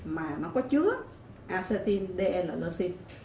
mà nó có chứa acetin dl leucine